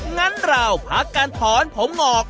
งั้นเราพักการถอนผมงอก